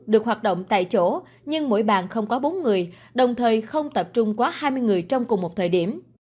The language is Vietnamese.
được hoạt động tại chỗ nhưng mỗi bàn không có bốn người đồng thời không tập trung quá hai mươi người trong cùng một thời điểm